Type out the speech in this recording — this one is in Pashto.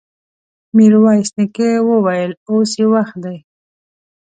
ميرويس نيکه وويل: اوس يې وخت دی!